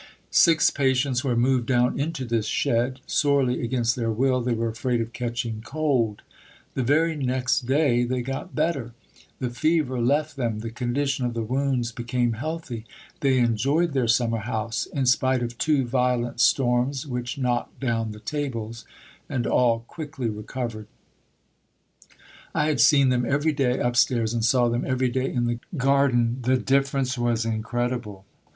Six patients were moved down into this shed (sorely against their will, they were afraid of catching cold). The very next day they got better; the fever left them, the condition of the wounds became healthy; they enjoyed their summer house in spite of two violent storms which knocked down the tables; and all quickly recovered! I had seen them every day upstairs and saw them every day in the garden; the difference was incredible....